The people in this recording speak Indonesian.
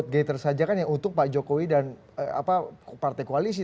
vat gator saja kan yang utuh pak jokowi dan partai kuali sih